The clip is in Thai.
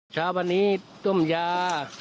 ชาววันนี้ต้มยา